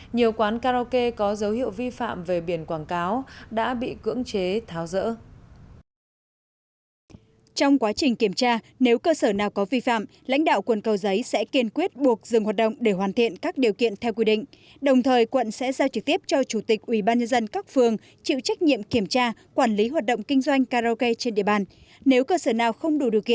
nhiều quán karaoke có dấu hiệu vi phạm về biển quảng cáo đã bị cưỡng chế tháo rỡ